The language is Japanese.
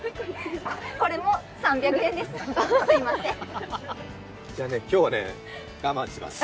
これも３００円です。